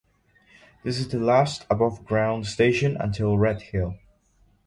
This is the last above-ground station until Redhill.